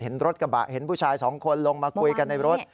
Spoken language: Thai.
เห็นรถกระบะเห็นผู้ชายสองคนลงมาคุยกันในรถ